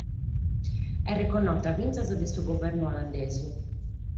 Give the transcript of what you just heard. Est reconnota fintzas dae su guvernu olandesu.